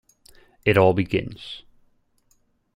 It all begins.